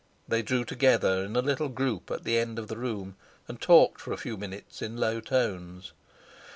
They drew together in a little group at the end of the room and talked for a few minutes in low tones.